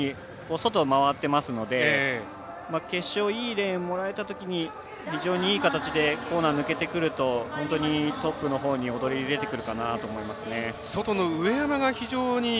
外を回ってますので決勝、いいレーンもらえたときに非常にいい形でコーナー抜けてると本当にトップのほうに外の上山が非常に。